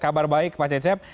kabar baik pak cecep